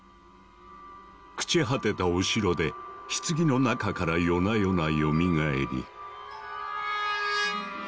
朽ち果てたお城で棺の中から夜な夜なよみがえり。